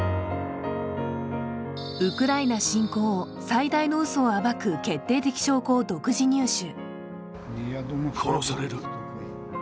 ウクライナ侵攻、最大の嘘を暴く決定的証拠を独自入手。